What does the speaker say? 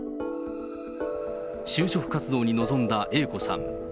就職活動に臨んだＡ子さん。